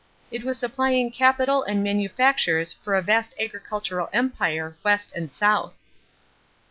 It was supplying capital and manufactures for a vast agricultural empire West and South.